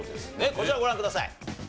こちらをご覧ください。